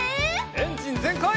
エンジンぜんかい！